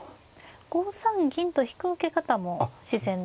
５三銀と引く受け方も自然ですか。